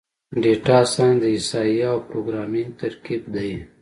ډیټا سایننس د احصایې او پروګرامینګ ترکیب دی.